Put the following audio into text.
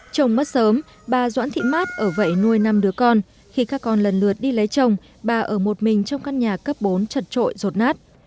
chồng mất sớm bà doãn thị mát ở vậy nuôi năm đứa con khi các con lần lượt đi lấy chồng bà ở một mình trong căn nhà cấp bốn chật trội rột nát